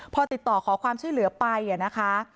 พอติดต่อขอความช่วยเหลือไปนะคะ